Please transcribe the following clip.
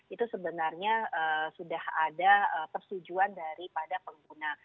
itu sebenarnya sudah ada persetujuan daripada pengguna